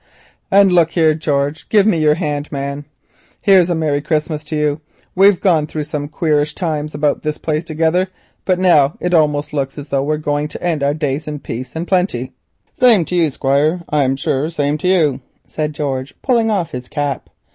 "And look here, George. Give me your hand, man. Here's a merry Christmas to you. We've gone through some queerish times about this place together, but now it almost looks as though we were going to end our days in peace and plenty." "Same to you, Squire, I'm sure, same to you," said George, pulling off his cap.